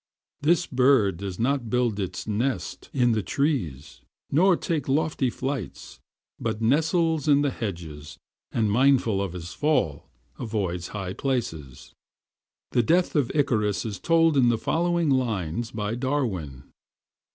This bird does not build his nest in the trees, nor take lofty flights, but nestles in the hedges, and mindful of his fall, avoids high places. The death of Icarus is told in the following lines by Darwin